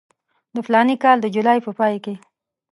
د فلاني کال د جولای په پای کې.